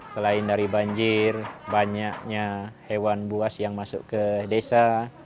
selain dari banjir banyaknya hewan buas yang masuk ke desa